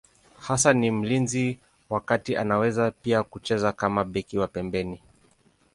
Hasa ni mlinzi wa kati, anaweza pia kucheza kama beki wa pembeni.